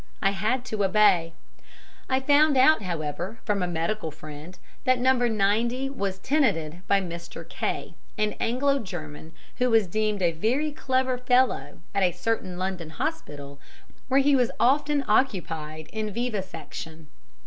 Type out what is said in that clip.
I had to obey. I found out, however, from a medical friend that No. 90 was tenanted by Mr. K , an Anglo German who was deemed a very clever fellow at a certain London hospital, where he was often occupied in vivisection.